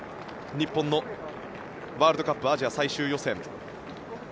日本のワールドカップアジア最終予選